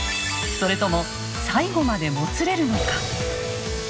それとも最後までもつれるのか？